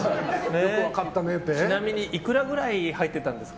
ちなみにいくらぐらい入ってたんですか？